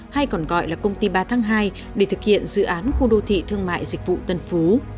hay còn gọi là công ty ba tháng hai để thực hiện dự án khu đô thị thương mại dịch vụ tân phú